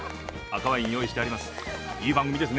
赤ワイン、用意しています。